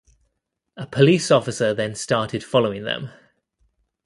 A police officer then started following them.